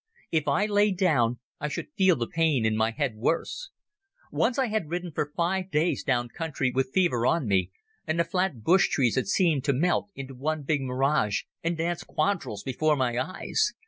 If I lay down I should feel the pain in my head worse. Once I had ridden for five days down country with fever on me and the flat bush trees had seemed to melt into one big mirage and dance quadrilles before my eyes.